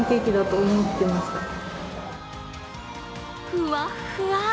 ふわっふわ！